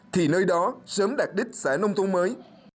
thì nơi đó sớm đạt đích xã nông thôn mới